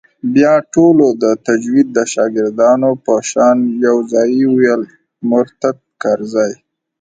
بيا ټولو د تجويد د شاگردانو په شان يو ځايي وويل مرتد کرزى.